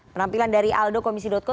penampilan dari aldo komisi co